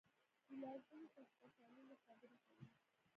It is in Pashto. میلیاردونو کهکشانونو خبرې کوي.